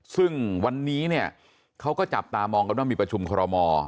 ซึ่งวันนี้เนี่ยเขาก็จับตามองกันว่ามีประชุมคอรมอ